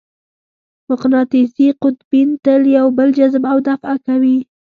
مقناطیسي قطبین تل یو بل جذب او دفع کوي.